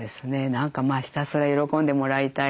何かひたすら喜んでもらいたい。